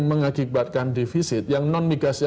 mengakibatkan defisit yang non migasnya